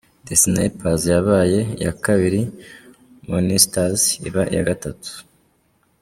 The Snipers yabaye iya kabiri, Monsters iba iya gatatu.